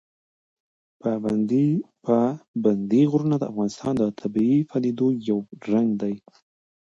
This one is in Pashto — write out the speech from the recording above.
پابندي غرونه د افغانستان د طبیعي پدیدو یو رنګ دی.